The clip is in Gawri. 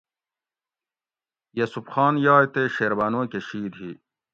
یوسف خان یائے تے شیربانو کہ شِید ہی